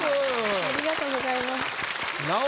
ありがとうございます。